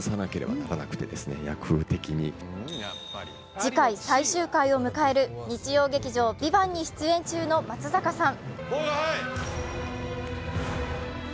次回、最終回を迎える日曜劇場「ＶＩＶＡＮＴ」に出演中の松坂さん。